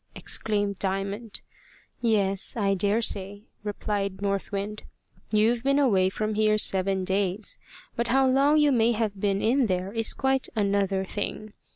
exclaimed Diamond. "Yes, I daresay," replied North Wind. "You've been away from here seven days; but how long you may have been in there is quite another thing.